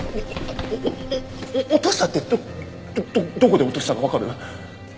お落としたってどどこで落としたかわかる？